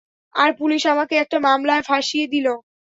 আর police আমাকে একটা মামলায় ফাঁসিয়ে দিলো।